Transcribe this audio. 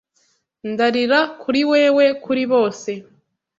Ndarira kuri wewe kuri bose